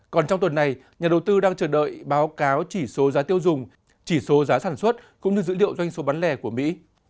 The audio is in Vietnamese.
còn trong tuần này nhà đầu tư đang chờ đợi báo cáo chỉ số giá tiêu dùng chỉ số giá sản xuất cũng như dữ liệu doanh số bán lẻ của mỹ